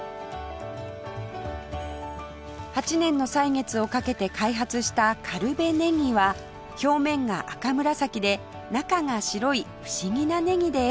８年の歳月をかけて開発した苅部ねぎは表面が赤紫で中が白い不思議なネギです